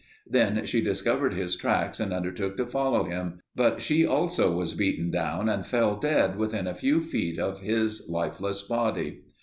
Then she discovered his tracks and undertook to follow him, but she also was beaten down and fell dead within a few feet of his lifeless body.